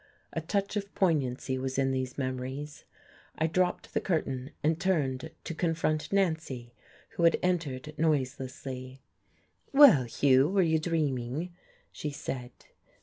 A touch of poignancy was in these memories. I dropped the curtain, and turned to confront Nancy, who had entered noiselessly. "Well, Hugh, were you dreaming?" she said.